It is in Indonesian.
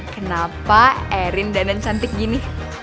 kenapa erin danan cantik gini